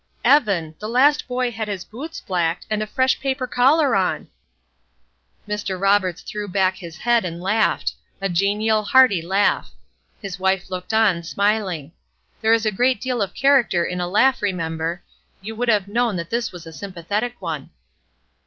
"Evan, the last boy had his boots blacked, and a fresh paper collar on!" Mr. Roberts threw back his head and laughed, a genial, hearty laugh. His wife looked on, smiling. There is a great deal of character in a laugh, remember; you would have known that this was a sympathetic one.